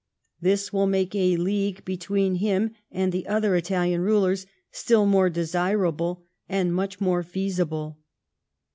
This will make a league between him and the other Italian rulers still more desirable, and much more feasible.